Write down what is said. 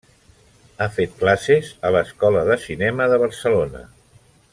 Ha fet classes a l'Escola de Cinema de Barcelona.